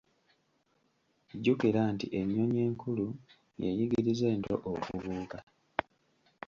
Jjukira nti ennyonyi enkulu yeeyigiriza ento okubuuka.